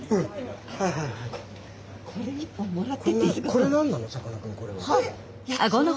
これ何なの？